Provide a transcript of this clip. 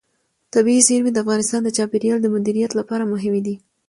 طبیعي زیرمې د افغانستان د چاپیریال د مدیریت لپاره مهم دي.